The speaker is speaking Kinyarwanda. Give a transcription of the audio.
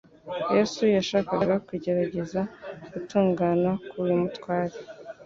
Yesu yashakaga kugerageza gutungana k'uyu mutware